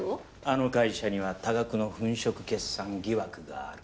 あの会社には多額の粉飾決算疑惑がある。